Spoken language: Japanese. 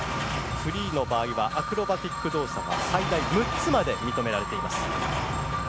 フリーの場合は、アクロバティック動作が最大６つまで認められています。